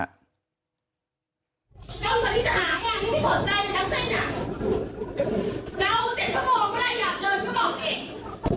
พี่สอนทำที่ไม่ใครคิดเล่น